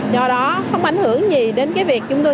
do đó không ảnh hưởng gì đến cái việc chúng tôi